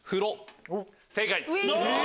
正解。